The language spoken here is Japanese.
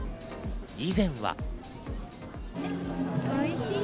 以前は。